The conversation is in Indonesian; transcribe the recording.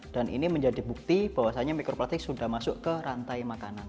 ini menjadi bukti bahwasannya mikroplastik sudah masuk ke rantai makanan